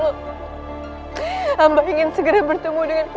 jadi kita harus berhenti bisa mencengkuk apapun waktu dan harus disperi oui lado